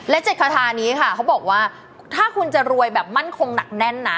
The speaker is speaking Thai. และ๗คาทานี้ค่ะเขาบอกว่าถ้าคุณจะรวยแบบมั่นคงหนักแน่นนะ